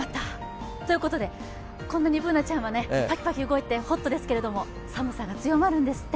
こんなにＢｏｏｎａちゃんはパキパキ動いてホットですが寒さが強まるんですって。